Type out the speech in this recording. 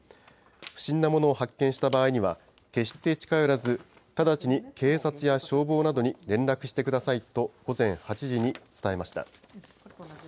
不審なものを発見した場合には、決して近寄らず、直ちに警察や消防などに連絡してくださいと、午前８時に伝えました。